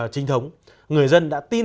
trinh thống người dân đã tin